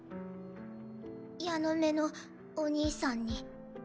ヤノメのおにぃさんに。